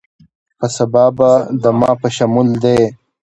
چې سبا به دما په شمول دې